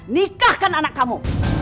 nikahkan anak kamu